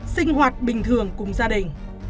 sinh hoạt bình thường cùng gia đình